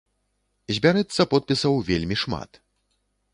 Збярэцца подпісаў вельмі шмат.